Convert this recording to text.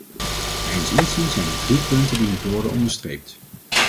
Mijns inziens zijn er drie punten die moeten worden onderstreept.